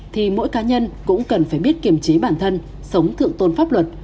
thì mỗi cá nhân cũng cần phải biết kiểm trí bản thân sống thượng tôn pháp luật